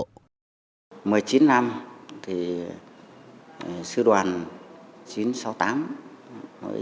tuy nhiên đến nay hồ sơ rất quan trọng này